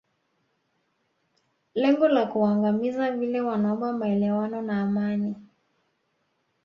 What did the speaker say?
lengo la kuwaangamiza vile wanaomba maelewano na amani